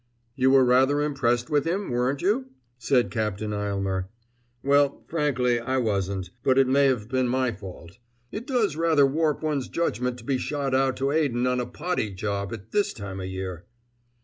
"You were rather impressed with him, weren't you?" said Captain Aylmer. "Well, frankly, I wasn't, but it may have been my fault. It does rather warp one's judgment to be shot out to Aden on a potty job at this time o' year."